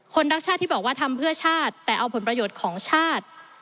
รักชาติที่บอกว่าทำเพื่อชาติแต่เอาผลประโยชน์ของชาติ